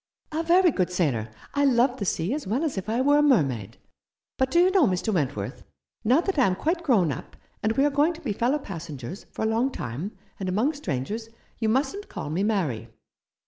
"A very good sailor. I love the sea as well as if I were a mermaid. But do you know, Mr. Wentworth, now that I am quite grown up, and we are going to be fellow passengers for a long time, and among strangers, you mustn't call me Mary."